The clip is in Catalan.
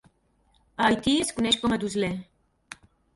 A Haití es coneix com a "douce lait".